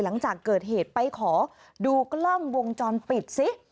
หลังจากเกิดเหตุไปขอดูกล้องวงจรปิดซิ